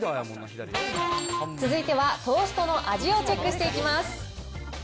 続いてはトーストの味をチェックしていきます。